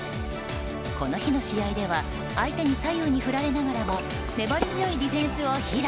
この日の試合では相手に左右に振られながらも粘り強いディフェンスを披露。